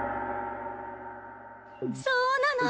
そうなの！